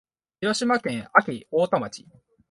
広島県安芸太田町